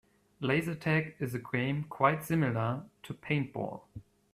Laser tag is a game quite similar to paintball.